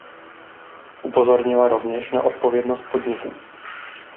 Upozornila rovněž na odpovědnost podniků.